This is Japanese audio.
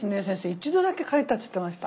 一度だけかいたって言ってました。